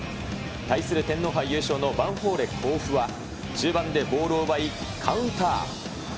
対する天皇杯優勝のヴァンフォーレ甲府は、中盤でボールを奪い、カウンター。